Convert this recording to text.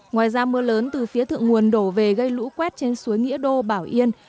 ngoài ra mưa lớn từ phía thượng nguồn đổ về gây lũ quét trên suối nghĩa đô bảo yên